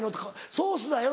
ソースだよ」。